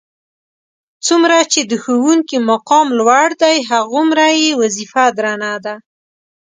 څومره چې د ښوونکي مقام لوړ دی هغومره یې وظیفه درنه ده.